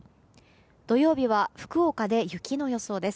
土曜日は福岡で雪の予想です。